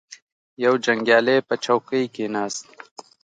یو جنګیالی په چوکۍ کښیناست.